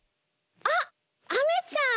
あっアメちゃん！